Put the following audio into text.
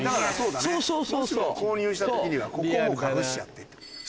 もしも購入した時にはここをもう隠しちゃって。